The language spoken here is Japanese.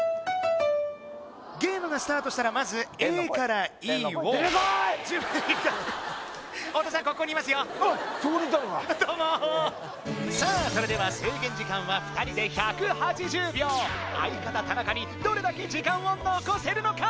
ゲームがスタートしたらまずＡからＥをどうもさあそれでは制限時間は２人で１８０秒相方田中にどれだけ時間を残せるのか？